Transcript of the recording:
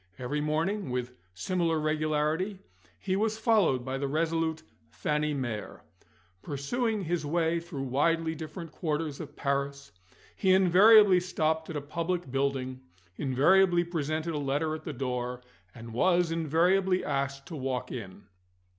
Every morning (with similar regularity) he was followed by the resolute Fanny Mere. Pursuing his way through widely different quarters of Paris, he invariably stopped at a public building, invariably presented a letter at the door, and was invariably asked to walk in.